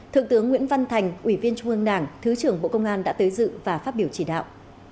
thượng tướng nguyễn văn thành ủy viên trung ương đảng thứ trưởng bộ công an đã tới dự và phát biểu chỉ đạo